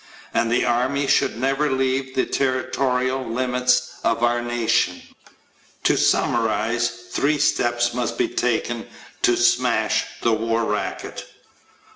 And the army should never leave the territorial limits of our nation. To summarize: Three steps must be taken to smash the war racket.